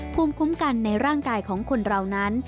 ภูมิคุ้มกันในร่างกายของคนเรานั้น